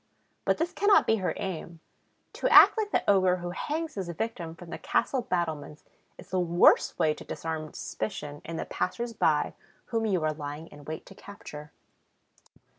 But this cannot be her aim. To act like the ogre who hangs his victim from the castle battlements is the worst way to disarm suspicion in the passers by whom you are lying in wait to capture.